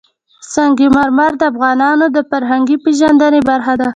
سنگ مرمر د افغانانو د فرهنګي پیژندنې برخه ده.